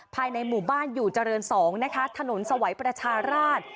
ภายในหมู่บ้านอยู่เจริญ๒นะคะถนนสวัยประชาราช